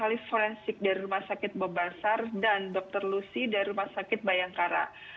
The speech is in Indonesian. ahli forensik dari rumah sakit bebasar dan dr lucy dari rumah sakit bayangkara